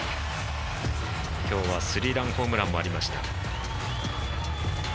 今日は３ランホームランもありました。